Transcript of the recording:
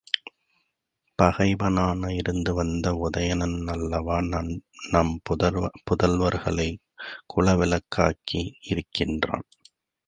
பகைவனாக இருந்து வந்த உதயனனல்லவா நம் புதல்வர்களைக் குலவிளக்காக்கி இருக்கிறான்.